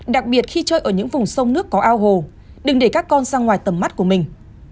đặc biệt khi chơi ở những vùng sông nước có ao hồ đừng để các con ra ngoài tầm mắt của mình